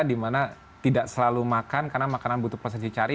dimana tidak selalu makan karena makanan butuh proses dicari